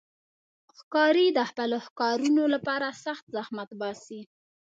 ښکاري د خپلو ښکارونو لپاره سخت زحمت باسي.